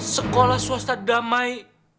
sekolah swasta damai